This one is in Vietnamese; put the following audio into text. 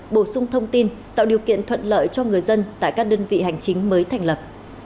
bổ sung thông tin tạo điều kiện thuận lợi cho người dân tại các đơn vị hành chính mới thành lập